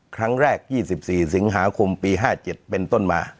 ครั้งแรก๒๔สิงหาคมปี๕๗เป็นต้นมา